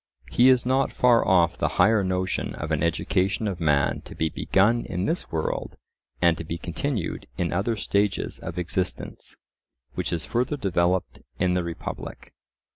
He is not far off the higher notion of an education of man to be begun in this world, and to be continued in other stages of existence, which is further developed in the Republic.